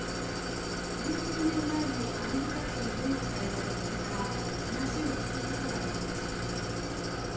十数年前にアメリカ兵にレイプされた女性から話を聞くことができました。